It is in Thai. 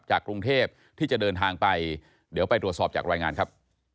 กรุงเทพที่จะเดินทางไปเดี๋ยวไปตรวจสอบจากรายงานครับ